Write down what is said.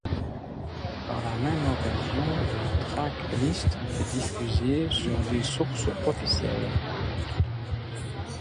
Par la même occasion, la track list est diffusée sur des sources officielles.